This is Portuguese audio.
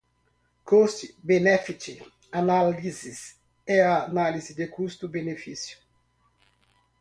Cost-Benefit Analysis é a análise custo-benefício.